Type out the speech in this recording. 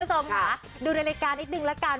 คุณผู้ชมค่ะดูในรายการนิดนึงละกัน